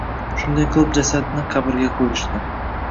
Shunday qilib jasadni qabrga qoʻyishdi.